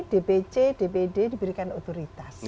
dpc dpd diberikan otoritas